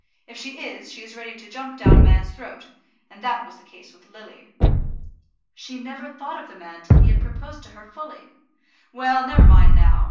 If she is, she is ready to jump down a man's throat; and that was the case with Lily." "She never thought of the man till he had proposed to her fully." "Well, never mind now.